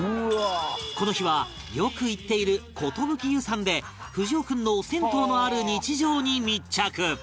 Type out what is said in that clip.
この日はよく行っている寿湯さんでふじお君の銭湯のある日常に密着